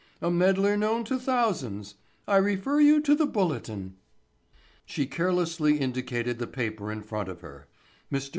"A meddler known to thousands. I refer you to the Bulletin." She carelessly indicated the paper in front of her. Mr.